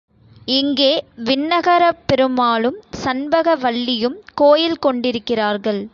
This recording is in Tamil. இங்கே விண்ணகரப் பெருமாளும் சண்பக வல்லியும் கோயில் கொண்டிருக்கிறார்கள்.